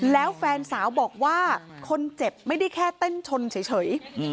แล้วแฟนสาวบอกว่าคนเจ็บไม่ได้แค่เต้นชนเฉย